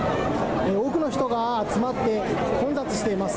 多くの人が集まって混雑しています。